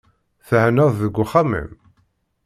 Thennaḍ deg uxxam-im?